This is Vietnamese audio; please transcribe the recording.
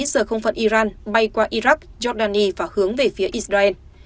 giờ không phận iran bay qua iraq jordani và hướng về phía israel